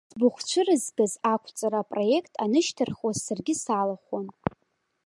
Зыӡбахә цәырызгаз ақәҵара апроект анышьҭырхуаз саргьы салахәын.